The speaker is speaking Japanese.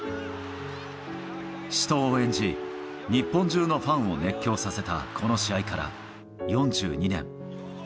死闘を演じ、日本中のファンを熱狂させたこの試合から４２年。